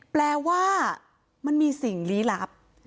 แปลว่ามันมีสิ่งลี้ลับ